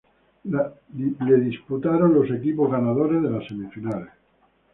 La disputaron los equipos ganadores de las semifinales.